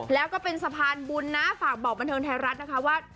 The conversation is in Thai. แล้วก็เป็นสะพานบุญนะฝากบอกบันเทิงไทยรัฐนะคะว่า